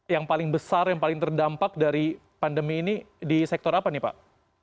yang paling besar yang paling terdampak dari pandemi ini di sektor apa nih pak